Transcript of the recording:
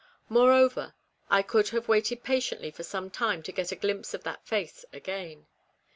Moreover, I could have waited patiently for some time to get a glimpse of that face again.